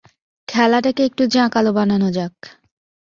খেলাটাকে একটু জাঁকালো বানানো যাক?